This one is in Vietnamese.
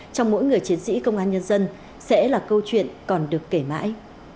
trong mỗi người chiến sĩ công an nhân dân sẽ là câu chuyện còn được kể mãi